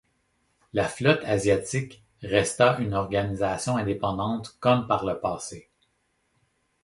La Flotte Asiatique resta une organisation indépendante comme par le passé.